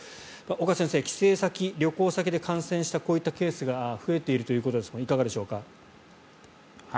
岡先生帰省先、旅行先で感染したこういったケースが増えているということですがいかがでしょうか。